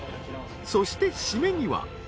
［そして締めには］